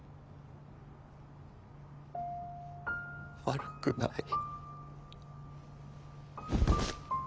悪くない。